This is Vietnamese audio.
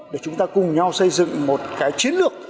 để chúng ta cùng nhau xây dựng một cái chiến lược